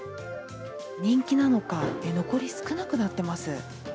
人気なのか、残り少なくなってます。